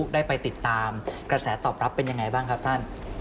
ได้ไปติดตามกระแสตอบรับเป็นยังไงบ้างครับท่าน